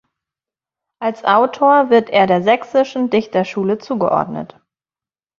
Als Autor wird er der Sächsischen Dichterschule zugeordnet.